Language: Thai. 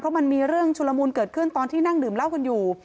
เพราะมันมีเรื่องชุลมูลเกิดขึ้นตอนที่นั่งดื่มเหล้ากันอยู่